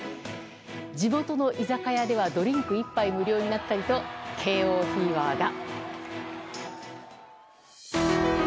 地元の居酒屋ではドリンク１杯無料になったりと慶應フィーバーが。